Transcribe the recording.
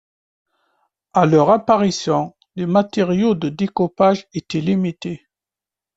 À leur apparition, les matériaux de découpage étaient limités.